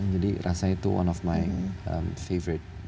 jadi rasanya itu salah satu film favorit saya